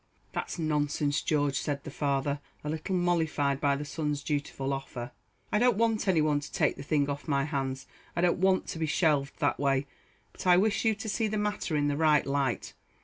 "That's nonsense, George," said the father, a little mollified by the son's dutiful offer. "I don't want any one to take the thing off my hands. I don't want to be shelved that way but I wish you to see the matter in the right light.